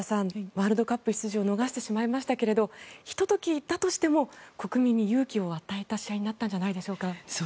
ワールドカップ出場を逃してしまいましたけれどひと時だったとしても国民に勇気を与えた試合になったんじゃないでしょうか。